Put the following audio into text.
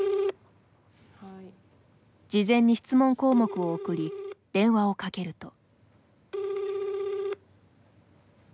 事前に質問項目を送り電話をかけると。